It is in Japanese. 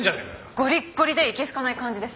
ゴリッゴリでいけ好かない感じです。